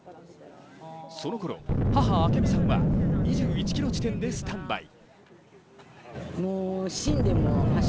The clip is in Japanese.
そのころ、母・明美さんは２１ｋｍ地点でスタンバイ。